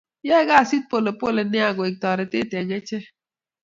Yae kasit polepole nea koek taretet eng achek